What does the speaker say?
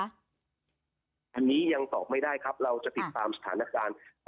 อันนี้ยังตอบไม่ได้ครับเราจะติดตามสถานการณ์